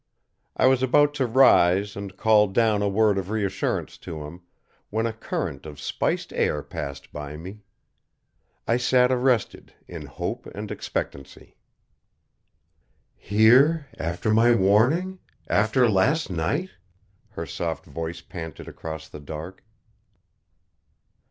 I was about to rise and call down a word of reassurance to him, when a current of spiced air passed by me. I sat arrested in hope and expectancy. "Here, after my warning, after last night?" her soft voice panted across the dark.